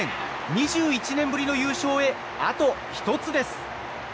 ２１年ぶりの優勝へあと１つです。